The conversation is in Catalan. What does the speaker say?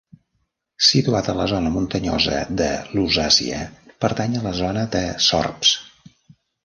Situat a la zona muntanyosa de Lusàcia, pertany a la zona de Sorbs.